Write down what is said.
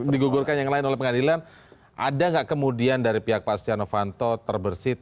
digugurkan yang lain oleh pengadilan ada enggak kemudian dari pihak pastian vanto terbersih